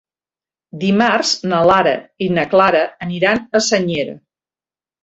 Dimarts na Lara i na Clara aniran a Senyera.